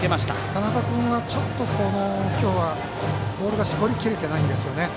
田中君はちょっと今日はボールが絞りきれてないんですね。